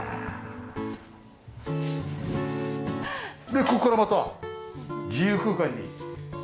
でここからまた自由空間に。